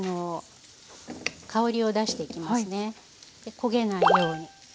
焦げないように。